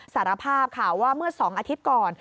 สารภาพค่ะว่าเมื่อ๒อาทิตย์ก่อน